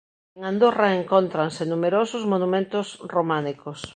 En Andorra encóntranse numerosos monumentos románicos.